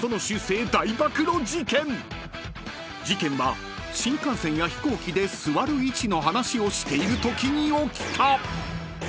［事件は新幹線や飛行機で座る位置の話をしているときに起きた］